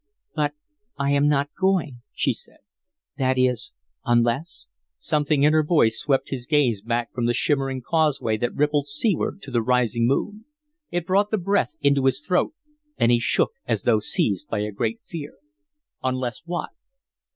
"But I am not going," she said. "That is unless " Something in her voice swept his gaze back from the shimmering causeway that rippled seaward to the rising moon. It brought the breath into his throat, and he shook as though seized by a great fear. "Unless what?"